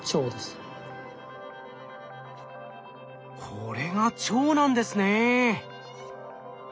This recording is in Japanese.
これが腸なんですね。